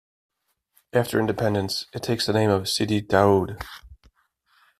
After independence, it takes the name of Sidi Daoud.